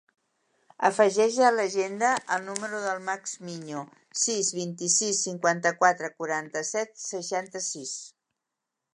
Afegeix a l'agenda el número del Max Miño: sis, vint-i-sis, cinquanta-quatre, quaranta-set, seixanta-sis.